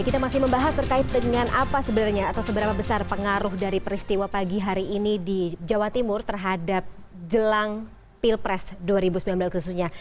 kita masih membahas terkait dengan apa sebenarnya atau seberapa besar pengaruh dari peristiwa pagi hari ini di jawa timur terhadap jelang pilpres dua ribu sembilan belas khususnya